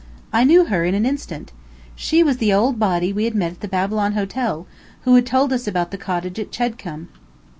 I knew her in an instant. She was the old body we met at the Babylon Hotel, who told us about the cottage at Chedcombe.